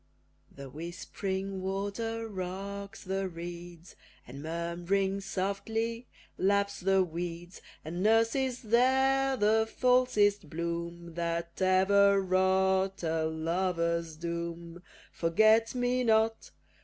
The whispering water rocks the reeds, And, murmuring softly, laps the weeds; And nurses there the falsest bloom That ever wrought a lover's doom. Forget me not!